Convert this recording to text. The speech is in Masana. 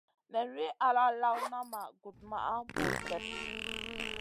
Nen wi ala lawna ma gudmaha bur kep.